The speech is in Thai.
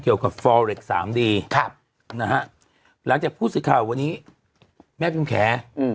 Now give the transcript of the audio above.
เกี่ยวกับครับนะฮะหลังจากพูดสิทธิ์ข่าววันนี้แม่พิมแขอืม